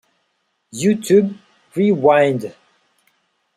Youtube Rewind.